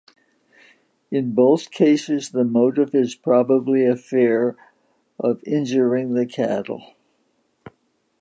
In both cases, the motive is probably a fear of injuring the cattle.